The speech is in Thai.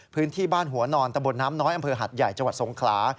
พื้นที่บ้านหัวนอนตะบนน้ำน้อยอำเภอหัดใหญ่จังหวัดสงขลา